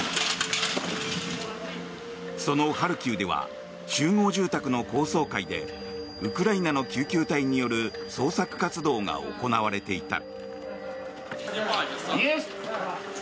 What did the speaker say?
そのハルキウでは集合住宅の高層階でウクライナの救急隊による捜索活動が行われていた。